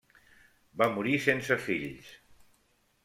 Va morir sense fills.